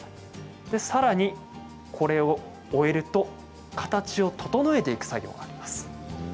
さらに、これを終えると形を整えていく作業があります。